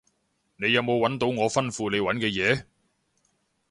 你有冇搵到我吩咐你搵嘅嘢？